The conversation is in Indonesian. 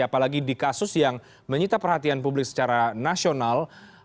apalagi di kasus yang menyita perhatian publik secara nasional